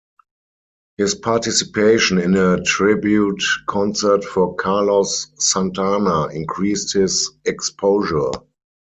His participation in a tribute concert for Carlos Santana increased his exposure.